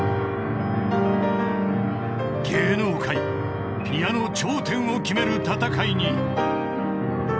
［芸能界ピアノ頂点を決める戦いに］